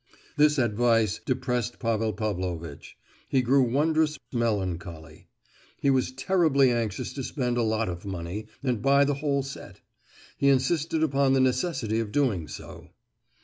This advice depressed Pavel Pavlovitch; he grew wondrous melancholy. He was terribly anxious to spend a lot of money, and buy the whole set. He insisted upon the necessity of doing so.